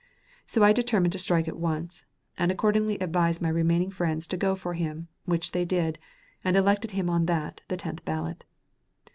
So I determined to strike at once; and accordingly advised my remaining friends to go for him, which they did, and elected him on that, the tenth ballot.